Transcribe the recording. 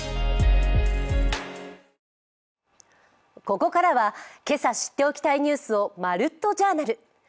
ここからは、今朝知っておきたいニュースをまるっとジャーナル。